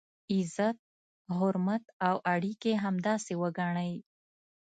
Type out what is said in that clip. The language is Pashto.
عزت، حرمت او اړیکي همداسې وګڼئ.